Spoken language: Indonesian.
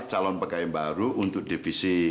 calon pkm baru untuk divisi